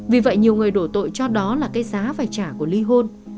vì vậy nhiều người đổ tội cho đó là cái giá phải trả của nữ